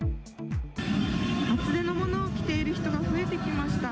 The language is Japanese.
厚手のものを着ている人が増えてきました。